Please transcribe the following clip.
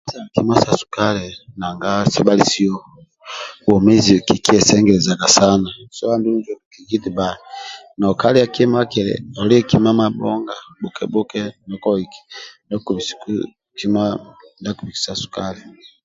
Kima sa sukali nanga sebhalisio bwomezi kikiesengelaza sana so andulujo ndie kigi eti bba nokalia akili olie kima mabhonga bhuke bhuke ndio ko ndio kobisiku kima ndia akubikisa sukali